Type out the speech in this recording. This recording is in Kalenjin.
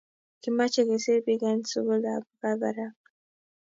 Kimache kesir pik en sukul ab kabarak